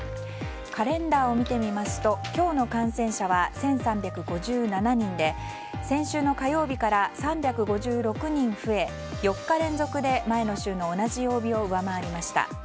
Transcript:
カレンダーを見てみますと今日の感染者は１３５７人で先週の火曜日から３５６人増え４日連続で前の週の同じ曜日を上回りました。